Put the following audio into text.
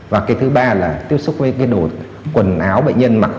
và cái thứ ba là tiếp xúc với cái đồ quần áo bệnh nhân mặc